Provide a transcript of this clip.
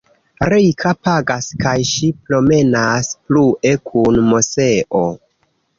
Rika pagas kaj ŝi promenas plue kun Moseo.